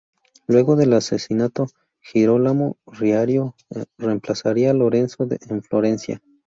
Luego del asesinato, Girolamo Riario reemplazaría a Lorenzo en Florencia.